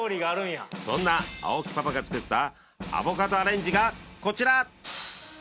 そんな青木パパが作ったアボカドアレンジがこちら！